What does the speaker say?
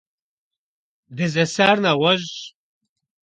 Дызэсар нэгъуэщӀщ.